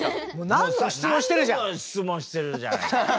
何度も質問してるじゃない。